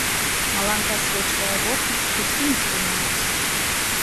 Маланка асвечвае вокны, гудкі не спыняюцца.